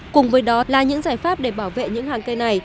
cùng với đó là những giải pháp để bảo vệ những hàng cây này